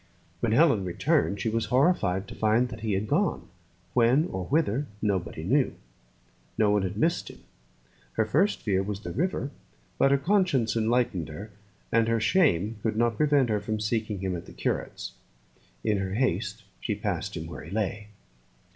When Helen returned, she was horrified to find that he had gone when, or whither nobody knew: no one had missed him. Her first fear was the river, but her conscience enlightened her, and her shame could not prevent her from seeking him at the curate's. In her haste she passed him where he lay.